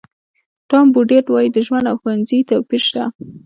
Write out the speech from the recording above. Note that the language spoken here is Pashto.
ټام بوډیټ وایي د ژوند او ښوونځي توپیر شته.